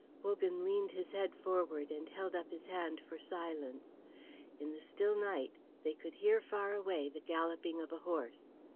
Wogan leaned his head forward and held up his hand for silence. In the still night they could hear far away the galloping of a horse.